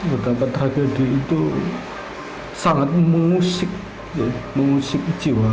betapa tragedi itu sangat memusik